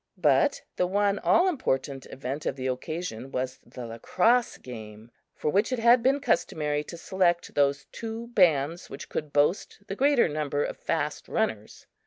But the one all important event of the occasion was the lacrosse game, for which it had been customary to select those two bands which could boast the greater number of fast runners.